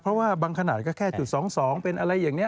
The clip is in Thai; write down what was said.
เพราะว่าบางขนาดก็แค่จุด๒๒เป็นอะไรอย่างนี้